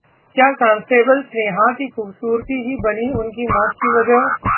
क्या कांस्टेबल स्नेहा की खूबसूरती ही बनी उनकी मौत की वजह?